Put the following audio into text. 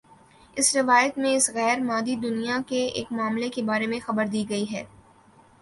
اس روایت میں اس غیر مادی دنیا کے ایک معاملے کے بارے میں خبردی گئی ہے